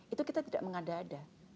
itu kita tidak mengada ada